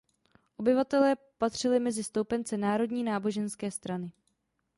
Obyvatelé patřili mezi stoupence Národní náboženské strany.